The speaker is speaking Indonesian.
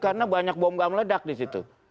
karena banyak bom bom ledak di situ